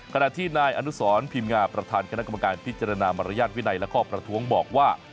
ขณะที่นายอนุสรพิมงาประธานคณะกรรมการพิจารณามารยาทวินัยและข้อประท้วงบอกว่า